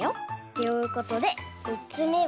ということでみっつめは。